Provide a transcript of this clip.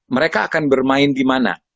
mereka akan bermain dimana